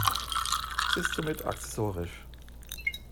Sie ist somit akzessorisch.